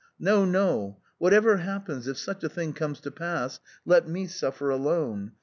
No, no, what ever happens, if such a thing comes to pass, let me suffer alone.